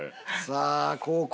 さあ後攻